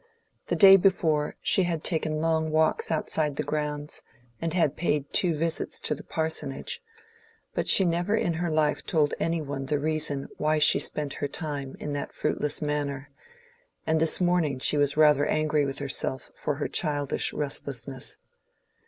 The day before, she had taken long walks outside the grounds, and had paid two visits to the Parsonage; but she never in her life told any one the reason why she spent her time in that fruitless manner, and this morning she was rather angry with herself for her childish restlessness.